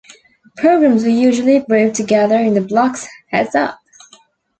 Programs were usually grouped together in the blocks Heads Up!